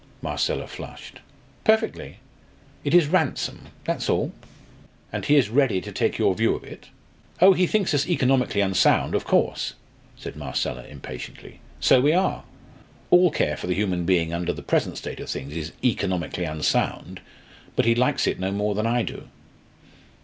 Marcella flushed. "Perfectly. It is 'ransom' that's all." "And he is ready to take your view of it?" "Oh, he thinks us economically unsound, of course," said Marcella, impatiently. "So we are. All care for the human being under the present state of things is economically unsound. But he likes it no more than I do."